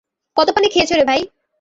কত পানি খেয়েছো রে ভাই?